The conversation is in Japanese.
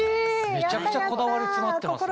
めちゃくちゃこだわり詰まってますね。